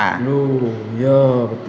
loh ya betul